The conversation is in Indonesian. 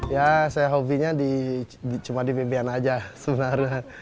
ya hobi saya cuma di bebean saja sebenarnya